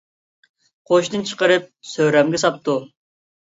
قوشتىن چىقىرىپ سۆرەمگە ساپتۇ.